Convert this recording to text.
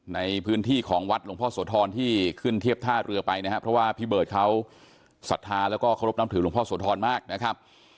ในพื้นที่ของวัดหลวงพ่อโสธรที่ขึ้นเทียบท่าเรือไปนะครับเพราะว่าพี่เบิร์ตเขาศรัทธาแล้วก็เคารพนับถือหลวงพ่อโสธรมากนะครับ